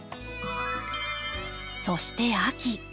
そして秋。